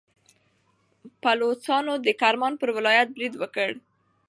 بلوڅانو د کرمان پر ولایت برید وکړ.